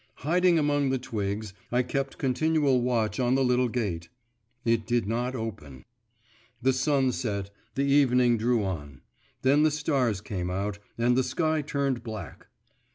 Hiding among the twigs, I kept continual watch on the little gate. It did not open. The sun set, the evening drew on; then the stars came out, and the sky turned black.